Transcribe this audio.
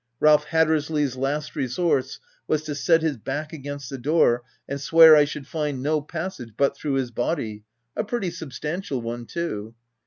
Ralph Hattersley's last resource was to set his back against the door, and swear I should find no passage but through his body (a pretty substantial one too).